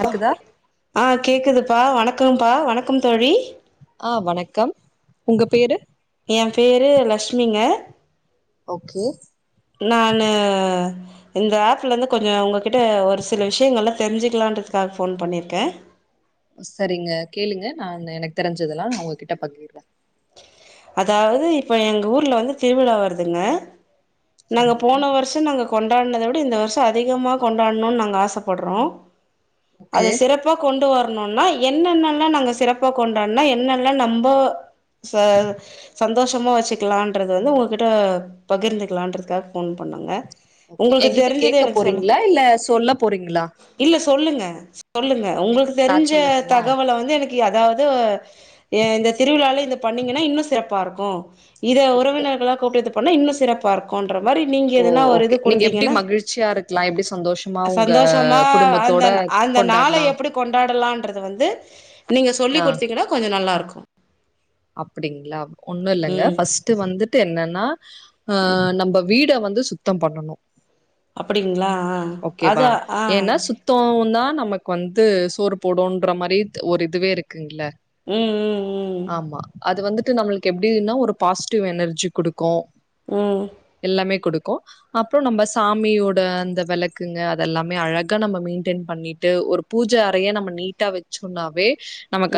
கேக்குதா ஆ கேக்குதுப்பா வணக்கம்பா வணக்கம் தோழி ஆ வணக்கம் உங்க பேரு ஏ பேரு லக்ஷ்மிங்க ஓகே ல்ல நானு இந்த ஆப்லந்து கொஞ்சோ உங்ககிட்ட ஒரு சில விஷ்யங்கள்லா தெர்ஞ்சுக்லான்றதுக்காக ஃபோன் பண்ணிர்க்கே சரிங்க கேளுங்க நா எனக்கு தெரிஞ்சதலா நா உங்ககிட்ட பகிர்றே அதாவது இப்ப எங்க ஊர்ல வந்து திருவிழா வருதுங்க நாங்க சரிங்க போன வருஷோ நாங்க கொண்டான்னத விட இந்த வர்ஷோ அதிகமா கொண்டான்ணு நாங்க ஆசப்பட்றோ ஓகே அத சிறப் ப்ப கொண்டு வரணுனா என்னென்னல்லா நாங்க சிறப்பா கொண்டோன்னா என்னென்ன நம்போ சார் சந் சந்தோஷமா வச்சுக்லான்றது வந்து உங்ககிட்ட பகிர்ந்துக்லான்றதுக்காக ஃபோன் பண்ணோங்க ஓகே உங்களுக்கு ஏங்கிட்ட தெரிஞ்சத கேக்க எனக்கு சொல்லு போறீங்ளா இல்ல சொல்ல போறீங்ளா இல்ல சொல்லுங்க சொல்லுங்க உங்ளுக்கு நா தெரிஞ்ச சொல்லட்டுமா தகவல வந்து எனக் [unintelligible] அதாவது இந்த திருவிழால இந்த பண்ணீங்கன்னா இன்னு சிறப்பாருக்கு இதே ஓகே உறவினர்களா கூப்ட்டுட்டு போனா இன்னு சிறப் பாருக்கோன்ற மாரி நீங்க ஓ எதுனா ஒரு இது ஓகே நீங்க எப்டி குடுத்தீங்கன்னா மகிழ்ச்சியா இருக்கலா எப்டி சந்தோஷமா ச உங்க சந்தோஷமா அந்த குடும்பத்தோட அந்த நாளை கொண்டாடலா எப்பிடி கொண்டாடுலான்றத வந்து நீங்க சொல்லி் ஆ குடுத்தீங்னா கொஞ்சோ நல்லாருக்கு அப்டிங்களா ஒண்ணுல்லங்க ம் ஃபஸ்ட்டு வந்துட்டு என்னன்னா ஆ நம்ம வீட வந்து சுத்தோ பண்ணணு அப்டிங்களா ஆ அதா ஆ சுத்தோன்த்தா நமக்கு வந்து சோறு போடுன்ற மாரித் ஒரு இதுவே இருக்குங்ள ம் ம் ம் ஆமா அது வந்துட்டு நம்ளுக்கு எப்டின்னா ஒரு பாசிட்டிவ் எனர்ஜி குடுக்கு ம். எல்லாமே குடுக்கு அப்றோ நம்ப சாமியோட அந்த வெள க்குங்க அதெல்லாமே அழகா நம்ம மெயின்டென் பண்ணிட்டு ஒரு பூஜ அறைய நம்ம நீட்டா வெச்சோன்னாவே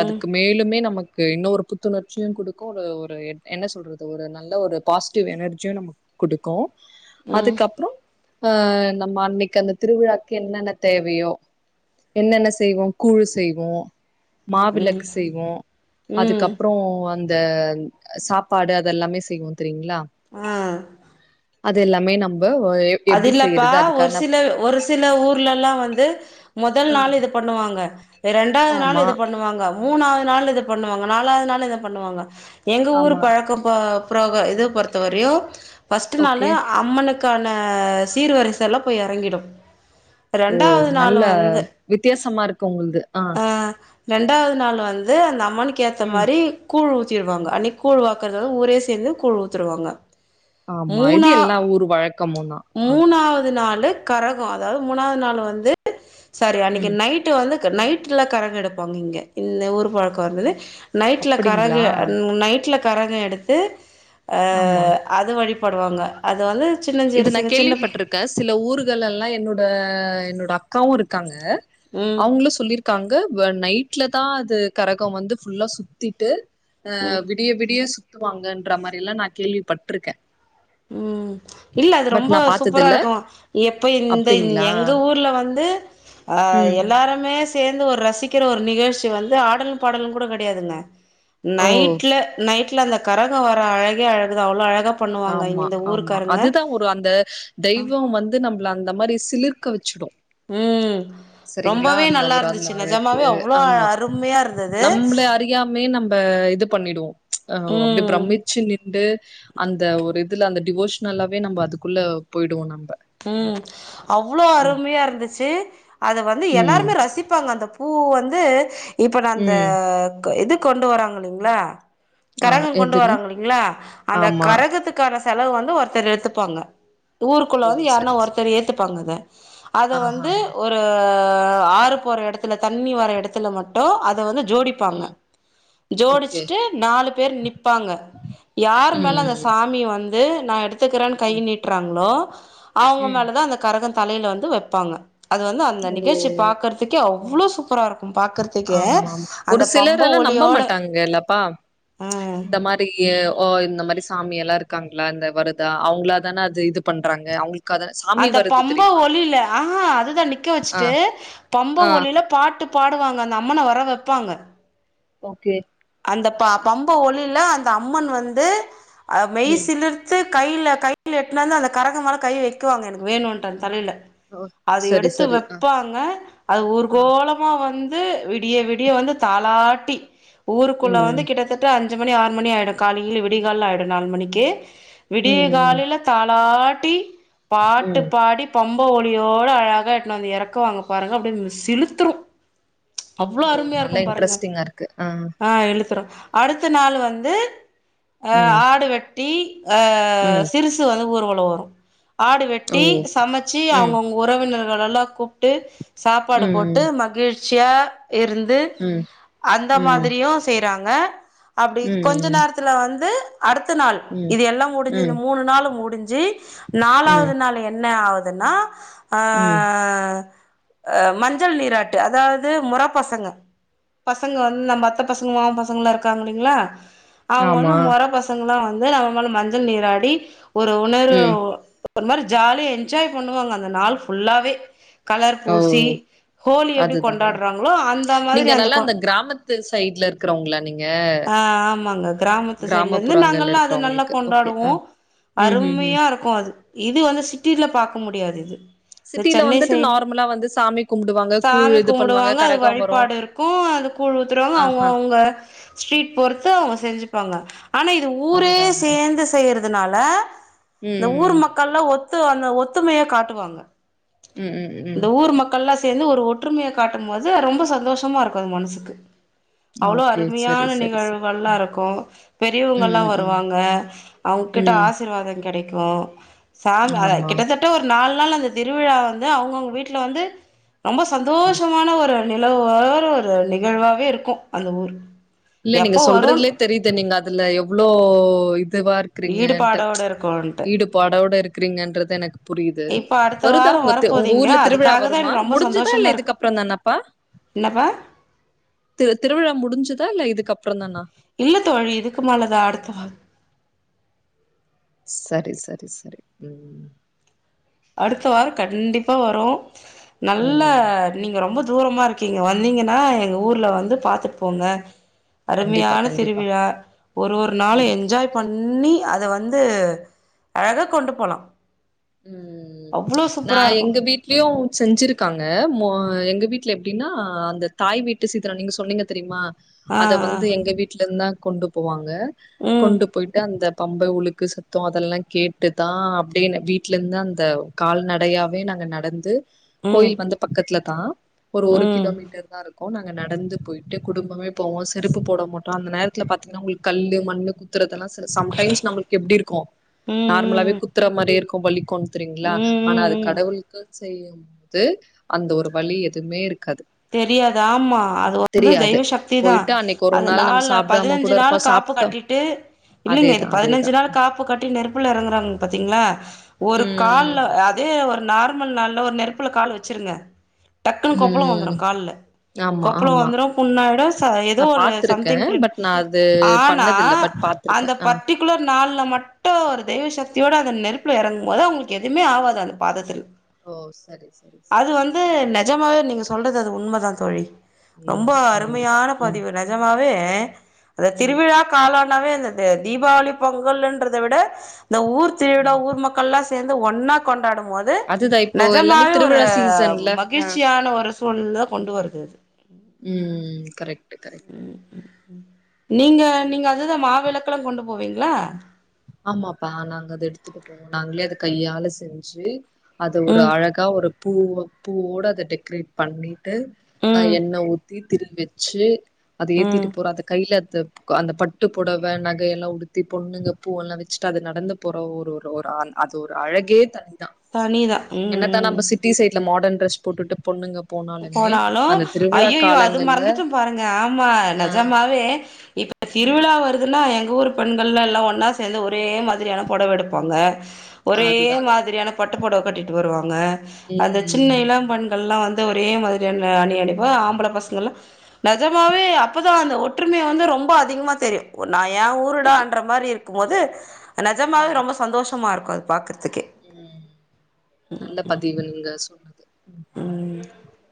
ம் ம் அதுக்கும் மேலுமே நமக்கு இன்னு ஒரு புத்துணர்ச்சியு குடுக்கு ஒரு ஒரு எட் என்ன சொல்றது ஒரு நல்ல ஒரு பாசிட்டிவ் எனர்ஜியு நமக் குடுக்கு ம் அதுக்கப்றோ ஆ நம்ம அன்னை க்கு அந்த திருவிழாக்கு என்னென்ன தேவையோ என்னென்ன செய்வோ கூழு செய்வோ ம் மாவிளக்கு செய்வோ ம் ம் அதுக்கப்றோ அ ந்த அ சாப்பாடு அதெல்லாமே செய்வோ தெரிங்ளா. ஆ அதெல்லாமே நம்ப ஒ எ அதில்லப்பா ஒரு சிலரு ஒரு சி சில ஊர்லல்லா வந்து மொதல் ஆ நாள் இது பண்ணுவாங்க ரெ ரெண்டாவ்து நாள் ஆமா இது பண்ணுவாங்கவ் மூணாது நாள் இத பண்ணுவாங்க நாலாவ்து நாள் இத பண்ணுவாங்க எங்க ஊரு ஆமா பழக்கம் பா ப்ரோக இது பொறுத்த வரையு ஃபஸ்ட்டு ஓகே நாளு அம்மனுக்கா அ சீர்வரிசை எல்லா போய் எறங்கிடு. ஓ ரெண்டாவது நாள் நல்ல வந்து வித்தியாசமா இருக்கு உங்குள்து ஆ ஆ ரெண்டாவ்து நாள் வந்து அந்த அம்மனுக்கு ஏத்த ம் மாரி கூழ் ஊத்தீருவாங்க அன்னைக் கூழ் வாக்கறத வந் ஊரே சேந்து கூழ் ஊத்துருவாங்க. ஆம்மா இது மூணா எல்லா ஊரு வழக்கமுந்தா. மூணாவது நாளு கரகோ அதாவது மூணாது நாளு வந்து சாரி அன்னிக்கு ம் நை ட்டு வந்து க நைட்ல கரகெடுப்பாங்க இங்க இந்த ஊரு பழக்கோ வந்துது நைட்ல அப்படிங்ளா கரகு அ நைட்ல கரகொ எடுத்து அ ஆமா அது வழிபடுவாங்க அது வந்து இது நா சின்னஞ்சிறுசுங்க சின்ன கேள்விப்பட்ருக்கே சில ஊர்களெல்லா என்னோட என்னோட அக்காவு இருக்காங்க. ம் அவுங்ளு சொல்லிருக் காங்க வ நைட்லதா அது கரகொ வந்து ஃபுல்லா சுத்திட்டு அ ம் வி டிய விடிய சுத்துவாங்கன்ற மாரில்லா நா கேள்விப்பட்ருக்கே. ம். இல்ல அது பட் ரொம்பொ நா சூப்பரா பாத்ததில்ல இருக்கு எப்ப இந்த அப்டிங்ளா எங்க ஊர்ல வந்து ஆ ம் எல்லாருமே சேந்து ஒர் ரசிக்கற ஒரு நிகழ்ச்சி வந்து ஆடலும் பாடலும் கூட கெடையாதுங்க. ஓ நைட்ல நைட்ல அந்த கரகொ வர அழகே அழகுதா அவ்ளோ அழகா பண்ணு ஆம்மா ஆம்மா அதுதா ஒரு அந்த தெய்வோ வந் து நம்ப்ள அந்த மாரி சிலிர்க்க வெச்சிடு. ம். ரொம்பவே நல்லா ஒரு அந்த இருந்துச்சு அழகு நெஜமாவே அவ்ளோ அழ அருமையா இருந்துது. ரியாமயே நம்ப இது பண்ணிடுவோ அ அப்டே ம் பிரமிச்சு நின்டு அந்த ஒரு இதுல அந்த டிவோஷ்னல்லாவே நம்ப அதுக்குள்ள போயிடுவோ நம்ப. ம் அவ்ளோ ம் அருமையா இருந்துச்சி. அத வந்து ம் எல்லாருமே ரசிப்பாங்க அந்தப் பூ வந்து இப்ப ந அந்த ம் க் இது கொண்டு வராங்க இல்லிங்ளா? ஆமா கரகொ கொண்டு எதுங்க வறாங்க இல்லிங்ளா அந்த ஆமா கரகத்து க்கான செலவு வந்து ஒருத்தர் ஏத்துப்பாங்க ஊருக்குள்ள ஓ வந்து யார்ன்னா சரி சரி ஒருத்தர் ஏத்துப்பாங்க அத. அத வந்து ஆஹாஹா ஒ ரு ஆறு போற எடத்துல தண்ணி வர எடத்துல மட்டு அத வந்து ஜோடிப்பாங்க. ம் ஓகே ஜோடிச்சிட்டு நாலு பேர் நிப்பாங்க யார் மேல அந்த ம் சாமி வந் து நா எடுத்துக்றேன் கை ம் நீட்றாங்ளோ அவங்க ம். மேல தா அந்த கரக தலைல வந்து வெப்பாங்க அது வந்து அந்த ஓ! நிகழ்ச்சி பாக்குறதுக்கே அவ்ளோ சூப்பரா இருக் ஆமாம் ஒரு சிலரெலா நம்ப ஒலியோட மாட்டாங்கல்லப்பா ம் இந்த மா திய்யு ஓ இந்த மாரி சாமி எல்லா இருக்காங்களா இந்த வருதா அவங்களா தான அது இது பண்றாங்க அவங்களுக் அந்த பம்ப ஒலியில ஆஹா அதுதா நிக்க ஆ, வச்சுட்டு பம்ப ஆ, ஒலியில பாட்டு பாடுவாங்க அந்த அம்மன வர வெப்பாங்க ஓகே அந்த பா பம்ப ஒலியில அந்த அம்மன் வந்து மெய் அ ம். சிலிர் த்து கைய்ல கைய்ல எட்டுனு வந்து அந்த கரகமேல கை வைக்குவாங்க எனக்கு வேணுமன்டு அந் தலையில ஓ! அது சரி, எடுத்து சரி. ஆ, வெப்பாங்க அது ஆ. ஊர்க்கோலம் மா வந்து விடிய விடிய வந்து தாலாட்டி ஊருக்குள்ள வந்து ம், ம். கிட்டத்தட்ட அஞ்சு மணி ஆறு மணி ஆயிடு காலையிலே விடிகால்ல ஆயிடு நாலு மணிக்கு ம், விடிய ம். காலைல தாலாட்டி ம். பாட்டுப் பாடி பம்ப ஒலியோட அழகா எடுனு வந்து எறக்குவாங்க பாருங்க அப்டியே நம் சிலுத்துரு அவ்ளோ அருமையா இருக்கு பாருங்க கு ஆ ஆ எழுத்துறு அடுத்த நாள் வந்து ஆ ம், ஆடு வெட்டி ஆ ஆ ம். சிறுசு வந்து ஊர்வலோ வரு ஆடு ஓ! வெட்டி சமச்சு ம், அவங்கவங்க உறவினர்களெல்லா கூப்டு சாப்பாடு போட்டு ம், மகிழ்ச்சியா இருந்து ம். அந்த ம், ம், மாதிரியு செய்றாங்க அப்டி கொஞ்ச ம். நேரத்துல வந்து அடுத்த நாள் ம், இது எல்லா முடிஞ்சு இந்த ம், மூணு நாளு முடிஞ்சு நாலாவது ம், நாள் என்ன ஆகுதுன்னா ஆ ம். அ மஞ்சள் நீராட்டு அதாவ்து மொற பசங்க பசங்க வந்து நம்ம அத்த பசங்க மாமா பசங்களா இருக்காங்க இல்லைங்களா அவங்க வந்து ஆமா. மொற பச் சங்கலா வந்து நம்ம மேல மஞ்சள் நீராடி ஒரு உணர்வு ம். ஒரு மாரி ஜாலியா என்ஜாய் பண்ணுவாங்க அந்த நாள் ஃபுல்லாவே கலர் ஓ! பூசி ஹோலி எப்டி அதுதான். கொண்டாடுறாங்களோ அந்த மாதிரி அந்த கொ து சைட்ல இருக்குறவங்களா நீங் ஆ ஆமாங்க கிராமத்து சைடுல இருந்து கிராமப்புறங்கள்ல நாங்கள்லா அத நல்லா இருக்கிறவங்களுக்கு. ஓகே. கொண்டாடுவோ ஆ. ம்ஹ்ஹ்ம். அரும்மையா இருக்கு அது இது வந்து சிட்டியில பாக்க முடியாது இது இந்த சிட்டில சென்னை வந்துட்டு சைட் நார்மலா வந்து சாமி கும்பிடுவாங்க. கூழ் சாமி இது பண்ணுவாங்க. கும்புடுவாங்க அது கரகம் வரும். வழிபாடு இருக் கு அது கூல் ஊத்துறவங்க ஆஹா. அவுங்கவு வுங்க ஸ்ட்ரீட் பொறுத்து அவங்க செஞ்சுப்பாங்க ஆனா இது ஊரே அதுதான் அதுதான். சேர்ந்து செய்யற துனால இந்த ஊர் ம். மக்கள்ல ஒத்து அந்த ஒத்துமைய காட்டுவாங்க ம். ம். ம். ம். இந்த ஊர் மக் கல்லா சேந்து ஒரு ஒற்றுமைய காட்டும் போது ரொம்ப சந்தோஷமா இருக்கு அது மனசுக்கு அவ்ளோ ஓகே. சரி, அருமையான சரி, சரி. நிகழ்வுகள்லா இருக்கு பெரியவங்கல்லா ம். ம். வருவாங்க அவுங்க கிட்ட ம். ஆசிர்வாத கெடைக்கு சாமி ஆ ஆமா. கிட்டத்தட் ட ஒரு நாலு நாள் அந்த திருவிழா வந்து அவுங்கவுங்க வீட்ல வந்து ரொம்ப ம். சந்தோஷமான ஒரு நிலவு வேற ஒரு நிகழ்வாவே இருக்கு‌ அந்த ஊர் இல்ல நீங்க எப்போ வருன் சொல்றதுலே தெரியுது நீங்க அதுல எவ்ளோ இதுவா இருக் குறீங்கண்டு ஈடுபாடோட இருக்குன்ட்டு ஈடுபாடோட இருக்குறீங்கன்றது எனக்கு புரியுது இப்ப அடுத்த வருதா வாரோ உங்க தி உங்க வரப்போதீங்க ஊர்ல திருவிழா அதுக்காக தா வருமா எனக்கு ரொம்ப முடிஞ்சுதா இல்ல சந்தோஷமா இருக்கு இதுக்கப்புறோ தானாப்பா என்னப்பா திரு திருவிழா முடிஞ்சுதா இல்ல இதுக்கு அப்புறோ தானா இல்ல தோழி இதுக்கு மேலதா அடுத்த வோ சரி சரி சரி ம் அடுத்த வார கண்டிப்பா வரோ நல்ல ம் நீங்க ரொம்ப தூரமா இருக்கீங்க வந்தீங்கன்னா எங்க ஊர்ல வந்து பாத்துட் போங்க கண்டிப்பா அருமையான கண்டிப்பா திருவிழா ஒரு ஒரு நாளு ம் என்ஜாய் பண்ணி அத வந்து அழகா கொண்டு போலா ம் அவ்ளோ நா சூப்பரா இருக்கு எங்க வீட் டலயு செஞ்சிருக்காங்க ம எங்க வீட்ல எப்டின்னா அந்த தாய் வீட்டு சீதனம் நீங்க சொன்னீங்க தெரியுமா ஆ அத வந்து ஆ எங்க வீட்டுலருந்துதா கொண்டு போவாங்க ம் கொண்டு போயிட்டு அந்த பம்பை உழுக்கு சத்தோ அதெல்லா கேட்டுதா அப்டியே வீ ட்டுலருந்து அந்த கால்நடயாவே நாங்க நடந்து ம் கோயில் வந்து பக்கத்துல தா ஒரு ம் ஒரு கிலோ ம் மீட்டர் தா இருக்கு நாங்க நடந்து போயிட்டு குடும்பமே போவோ செருப்பு போட மாட்டோ அந்த நேரத் துல பாத்தீங்கனா உங்களுக்கு கல்லு மண்ணு குத் திறதெல்லா சில சம்டைம்ஸ் நம்ளுக்கு எப்டி இருக்கு ம் நார்மலாவே ம் குத்துற மாரி இருக்கு வலி கு தெரிங்கள ஆனா ம் அது ம் ம் கடவுளுக்கு செய்யும்போது அந்த ஒரு வலி எதுவுமே இருக்காது தெரியாது ஆமா அது வந்து தெரியாது தெய்வ சக்திதா போயிட்டு அன்னைக்கு ஒரு அது நாள் நம்ம நாலு சாப்டாம பதினஞ்சு கூட நாள் இருப்போ காப்பு சாப்ட்டோ கட்டி ட்டு இல்லீங்க அதேதா இது அதேதா பதினைஞ்சு நாள் காப்பு கட்டி நெருப் புல எறங்குறாங்க பாத்தீங்களா ஒரு ம் கால்ல அதே ஒரு நார் மல் நாள்ல ஒரு நெருப்புல கால் வச்சிருங்க டக்குன்னு ம் கொப்பளோ வந்துரு ம் கால்ல ஆமா கொப்பள ஆமா வந்துரும் புண்ணாயிடு ச ஏதோ நா ஒரு பாத்திருக்கே சம்திங் கிர் ஆனா திருக்க அந்த பட்டிகுலர் நாள்ல மட்டு ஒரு தெய்வ சக்தியோட அந்த நெருப்புல எறங்கும் போது அவங்களுக்கு எதுவுமே ஆகாது அந்த பாதத்துல ஓ சரி சரி சரி அது வந்து நெஜமாவே நீங்க சொல்றது அது உண்மைதா தோழி ரொம்ப உண்மதா உண்மதா அருமையான ம் பதிவு நெஜமாவே அத ம் திருவிழா காலோனாவே இந்த தீபாவளி பொங்கல்ன்றத விட இந்த ஊர் திருவிழ ம் ஊர் மக்கள் எல்லா சே சேந்து ஒன்னா கொண்டாடும் போது அதுதா இப்போ எல்லாமே நெஜமாவே ஒரு திருவிழா சீசன்ல மகிழ்ச்சியான ஒரு சூழ்நெலதா கொண்டு வருது ம் ம் ம் கரெக்டு கரெக் ம் நீங்க நீங்க அதுதன் மாவிளக்கெல்லா கொண்டு போவீங்களா ஆமாப்பா நாங்க அத எடுத்துட்டு போவோம் நாங்களே அதை கையால செஞ்சு அது ஒரு ம் அழகா ஒரு பூ பூவோட அதை டெக்கரேட் பண்ணிட்டு அ ம் எண்ணெ ஊத்தி திரி வெச்சு அத ஏத்திட்டு ம் போற அந்த கையில அந்த அந்த பட்டு புடவை நகைய எல்லா உடுத்தி பொண்ணுங்க பூவல்லா வச்சுட்டு அது நடந்து போற ஒரு ஒரு ஒரு அது ஒரு அழகே தனிதா தனிதா ம் ம் டி சைடல மாடர்ன் ட்ரெஸ் போட்டுட்டு பொண்ணுங்க போனாலுமே போனாலு அந்த திருவிழா ஐயயோ அது காலங்கள்ல மறந்துட்ட பாருங்க ஆமா ஆ நெஜமாவே இப்ப திருவிழா வரு துனா எங்க ஊர் பெண்கள்லா எல்லா ஒன்னா சேர்ந்து ஒரே மாதிரியான பொடவ எடுப்போங்க ஆ ஒரே அதுதா அதுதா மாதிரியான பட்டுப்பொடவ கட்டிட்டு வருவாங்க அந்த சின்ன ம் இளம்பண்கள்லா வந் து ஒரே மாதிரியான அணி அணிவோ ஆம்பள பசங்க எல்லா நெஜமாவே அப்போ தா அந்த ஒற்றுமை வந்து ரொம்ப அதிகமா தெரியு நா ஏய ஓகே ஊருடான் றமாரி இருக்கும் போது நெஜமாவெ ம் ரொம்ப சந்தோஷமா இருக்கும் அது பாக்கறதுக்கே ம் நல்ல பதிவு நீங்க சொல் ம்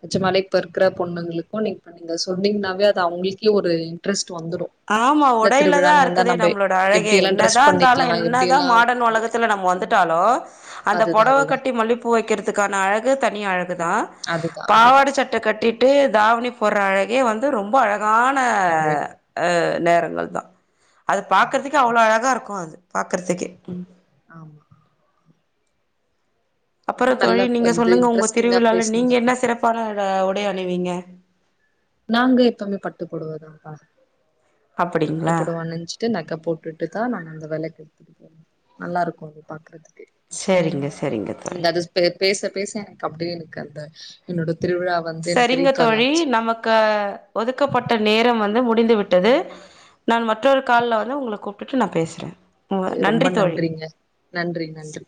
நெஜமாலே இப்பருக்கற பொண்ணுங்களுக்கும் நீங் நீங்க சொன்னீங்கன்னாவே அது அவங்களுக்கே ஒரு இன்ட்ரெஸ்ட் வந்துடு ஆமா ஒடையில தா இருக்குதே நம்பளோட அழகே எப்டி எல்லா என்னதா ட்ரெஸ் இருந்தாலு பண்ணிக்கலா எப்டி என்னதா எல்லா மாடன் உலகத்த துள்ள நம்ம வந்துட்டாலு அந்த அதுதா புடவ அதுதா கட்டி மல்லிப்பு பூ வைக்கிறதுக்கான அழகு தனி அழகு தா அதுதா அதுதா பாவாட சட்ட கட்டிட்டே தாவணி போடுற அழகே வந்து ரொம்ப அழகான அழகுதா அஹ் நேரங்கள் தா அது ஆமா பாக்கறதுக்கே அவ்வளோ ஆமா அழகா இருக்கும் அது பாக்றகறதுக்கே ஆமா அப்பறொ ரொம்ப தோழி நல்ல ப நீங்க இது சொல்லுங்க உங்க இன்ட்ரெஸ்டிங்கா திருவிழால நீங்க பேசுனீங்கப்பா என்ன சிறப்பான உடை அணிவீங்க நாங்க எப்பவுமே பட்டு பொடவதாக்கா பட்டு அப்படிங்களா பொடவணிஞ்சி நகபோட்டுட்டுதா நா அந்த விலக்கு நல்லா இருக்கு பாக்குறதுக்கு சேரிங்க சரிங்க தோழி நீங்க அது பேச பேச எனக்கு அப்டியே எனக்கு அந்த என்னோட திருவிழா வந்து எனக்கு சரிங்க ரீகால் தோழி ஆச்சு நமக்கு ஒதுக்கப்பட்ட நேர வந்து முடிந்து விட்டது நான் மற்றொரு கால்ல வந்து உங்கள கூப்புட்டு நான் பேசுற உ அது ரொம்ப நன்றி தோழி நன்றிங்க நன்றி நன்றி